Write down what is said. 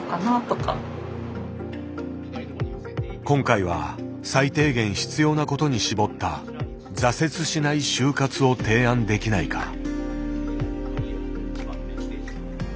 今回は最低限必要なことに絞った「挫折しない終活」を提案できないか。